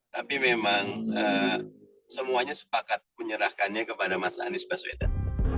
tapi memang semuanya sepakat menyerahkannya kepada mas anies baswedan